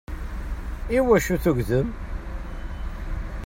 Iwacu tugdem?